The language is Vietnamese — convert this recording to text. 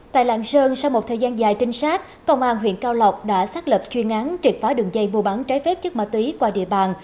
tại lạng sơn sau một thời gian dài trinh sát công an huyện cao lộc đã xác lập chuyên án triệt phá đường dây mua bán trái phép chất ma túy qua địa bàn